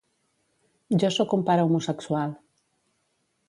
Jo sóc un pare homosexual.